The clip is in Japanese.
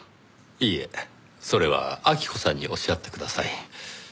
いえそれは晃子さんにおっしゃってください。